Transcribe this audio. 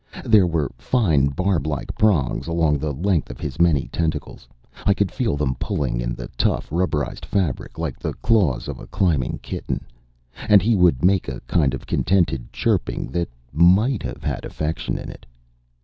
There were fine, barb like prongs along the length of his many tentacles; I could feel them pulling in the tough, rubberized fabric, like the claws of a climbing kitten. And he would make a kind of contented chirping that might have had affection in it.